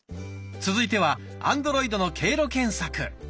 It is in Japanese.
続いてはアンドロイドの経路検索。